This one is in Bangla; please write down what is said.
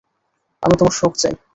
আমি তোমার সুখ চাই।